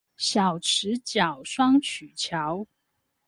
小池角雙曲橋